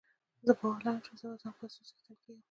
زه باور لرم چې زه به د دغو پيسو څښتن کېږم.